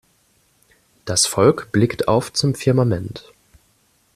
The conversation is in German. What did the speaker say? Das Volk blickt auf zum Firmament.